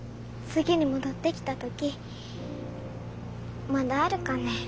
次に戻ってきた時まだあるかね